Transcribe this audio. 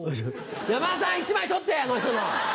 山田さん、１枚取って、あの人の。